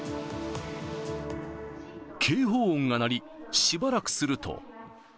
警報音が鳴り、しばらくすると。